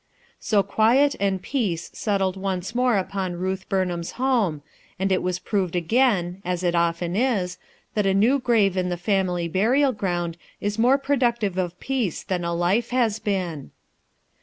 So quiet and peace settled once more upon Ruth BurnhanVs home, and it was proved again, as it often is, that a new grave in the family 3S0 RUTH ERSKINE'S SON burial ground is more productive of peace th a life has been.